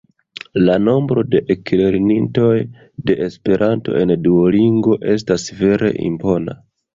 La nombro de eklernintoj de Esperanto en Duolingo estas vere impona!